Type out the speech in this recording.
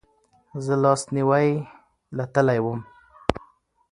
زه لاسنیوې له تلی وم